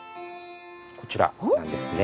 こちらなんですね。